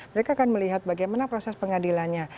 mereka akan melihat bagaimana proses pengadilannya